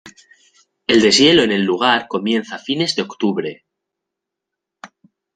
El deshielo en el lugar comienza a fines de octubre.